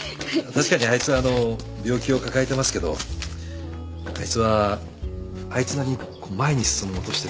確かにあいつはあのう病気を抱えてますけどあいつはあいつなりに前に進もうとしてる。